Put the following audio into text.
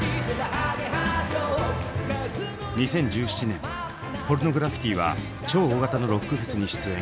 ２０１７年ポルノグラフィティは超大型のロックフェスに出演。